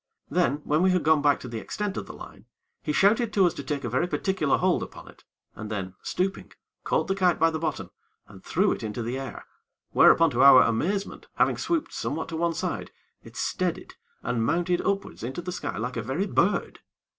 Then, when we had gone back to the extent of the line, he shouted to us to take a very particular hold upon it, and then, stooping, caught the kite by the bottom, and threw it into the air, whereupon, to our amazement, having swooped somewhat to one side, it steadied and mounted upwards into the sky like a very bird.